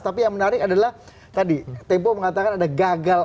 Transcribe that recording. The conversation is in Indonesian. tapi yang menarik adalah tadi tempo mengatakan ada gagal